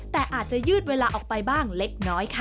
แต่อาจจะยืดเวลาออกไปบ้างเล็กน้อยค่ะ